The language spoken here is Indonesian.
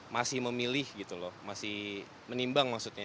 masih memilih gitu loh masih menimbang maksudnya